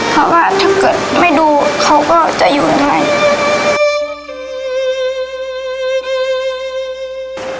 เพราะว่าถ้าเกิดไม่ดูเขาก็จะอยู่ยังไง